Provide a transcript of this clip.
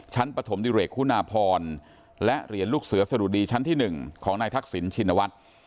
ชั้นปฐมดิเรกฮุนาพรและเรียนลูกเสือสรุดีชั้นที่๑ของนายทักศิลป์ชินวัตร